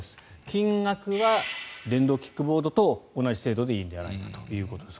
金額は電動キックボードと同じ程度でいいのではということです。